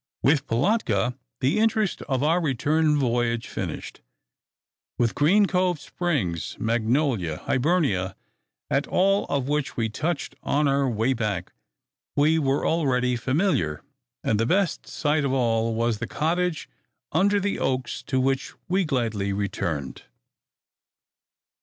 With Pilatka the interest of our return voyage finished. With Green Cove Springs, Magnolia, Hibernia, at all of which we touched on our way back, we were already familiar; and the best sight of all was the cottage under the oaks, to which we gladly returned.